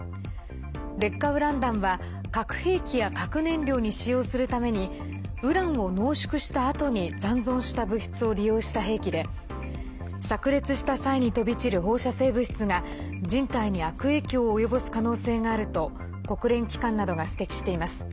劣化ウラン弾は核兵器や核燃料に使用するためにウランを濃縮したあとに残存した物質を利用した兵器でさく裂した際に飛び散る放射性物質が人体に悪影響を及ぼす可能性があると国連機関などが指摘しています。